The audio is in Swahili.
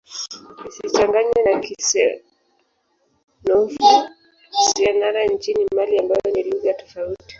Isichanganywe na Kisenoufo-Syenara nchini Mali ambayo ni lugha tofauti.